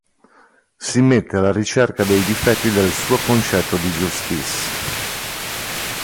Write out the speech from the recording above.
Si mette alla ricerca dei difetti del suo concetto di Justice.